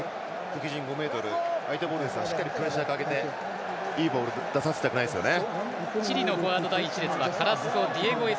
敵陣５ｍ相手ボールですがしっかりプレッシャーかけていいボール出させたくないですよね。